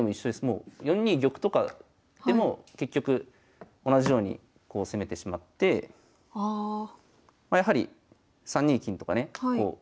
もう４二玉とかでも結局同じようにこう攻めてしまってやはり３二金とかね